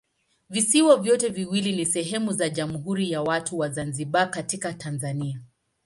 Visiwa vyote viwili ni sehemu za Jamhuri ya Watu wa Zanzibar katika Tanzania.